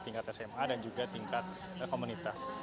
tingkat sma dan juga tingkat komunitas